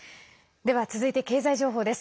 では、続いて経済情報です。